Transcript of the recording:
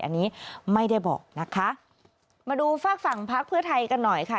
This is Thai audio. อันนี้ไม่ได้บอกนะคะมาดูฝากฝั่งพักเพื่อไทยกันหน่อยค่ะ